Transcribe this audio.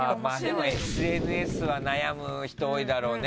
ＳＮＳは悩む人多いだろうね。